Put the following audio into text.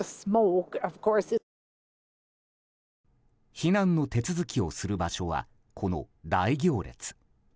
避難の手続きをする場所はこの大行列。